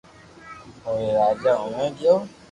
اووي راجا آوي گيو